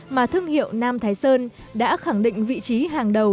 mà thương hiệu nam thái sơn đã khẳng định vị trí hàng đầu